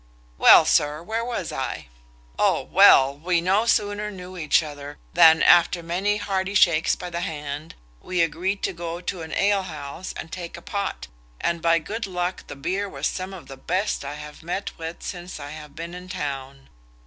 Well, sir, where was I? O well, we no sooner knew each other, than, after many hearty shakes by the hand, we agreed to go to an alehouse and take a pot, and by good luck the beer was some of the best I have met with since I have been in town.